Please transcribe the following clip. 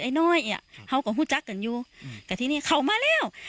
ไอ้น๋อเนี้ยฮ้าก็ฟูจักกันอยู่กับที่นี้เขามาแล้ว